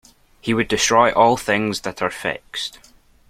He would destroy all things that are fixed.